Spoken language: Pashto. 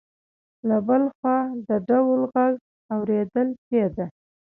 له بل خوا د ډول غږ اورېدل کېده.